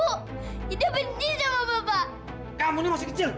ia ia sayang bapak janji bapak nggak akan pergi pergi lagi